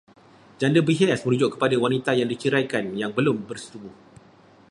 Janda berhias merujuk kepada wanita yang diceraikan yang belum bersetubuh